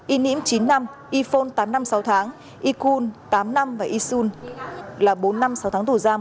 y ním chín năm y phôn tám năm sáu tháng y cun tám năm và y sun là bốn năm sáu tháng tù giam